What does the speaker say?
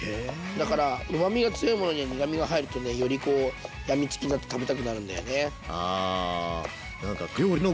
だからうまみが強いものに苦みが入るとねよりこうやみつきになって食べたくなるんだよね。